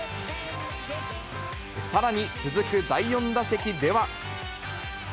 さらに、続く第４打席では。